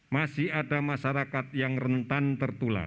masih ada masyarakat yang rentan tertular